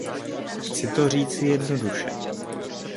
Chci to říci jednoduše.